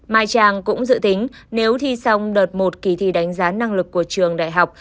mai trang cũng dự tính nếu thi xong đợt một kỳ thi đánh giá năng lực của trường đại học